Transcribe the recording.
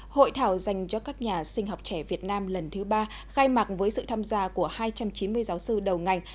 hội thảo dành cho các nhà sinh học trẻ việt nam lần thứ ba khai mạc với sự tham gia của hai trăm chín mươi giáo sư đầu ngành